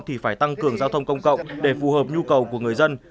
thì phải tăng cường giao thông công cộng để phù hợp nhu cầu của người dân